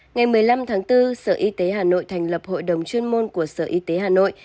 ngày một mươi năm tháng bốn sở y tế hà nội thành lập hội đồng chuyên môn của sở y tế hà nội